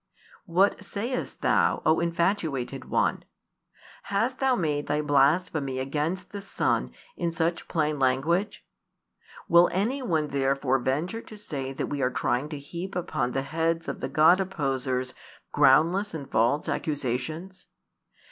What sayest thou, O infatuated one? Hast thou made thy blasphemy against the Son in such plain language? Will any one therefore venture to say that we are trying to heap upon the heads of the God opposers groundless and false accusations'?